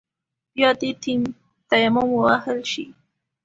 بيا دې تيمم ووهل شي.